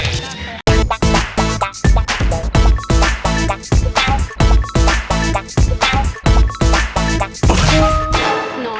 ตอนนี้